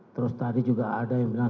terus tadi juga ada yang bilang